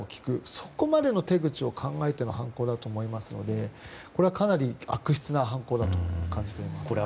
そこまでの手口を考えての犯行だと思いますのでこれは、かなり悪質な犯行だと感じています。